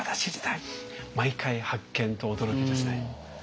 毎回発見と驚きですね。